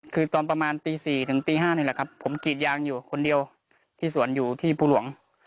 คือตอนประมาณตี๔ถึงตี๕นี่แหละครับผมกรีดยางอยู่คนเดียวที่สวนอยู่ที่ภูหลวง